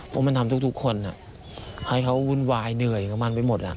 เพราะมันทำทุกคนให้เขาวุ่นวายเหนื่อยของมันไปหมด